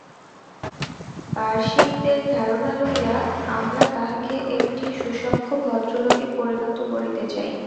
পারসীকদের ধারণা লইয়া আমরা তাহাকে একটি সুসভ্য ভদ্রলোকে পরিণত করিতে চাই।